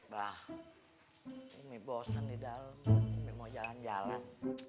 bah umi bosen di dalam umi mau jalan jalan